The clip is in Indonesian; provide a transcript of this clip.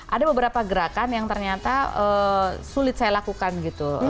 ada beberapa gerakan yang ternyata sulit saya lakukan gitu